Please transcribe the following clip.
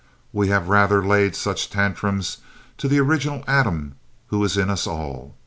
We have rather laid such tantrums to the original Adam who is in us all.